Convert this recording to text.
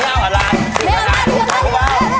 ยังไม่ได้